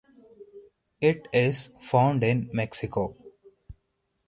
It is found in Mexico.